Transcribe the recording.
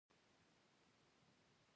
په دې لاره کې ډېر غرونه او پېچومي شته.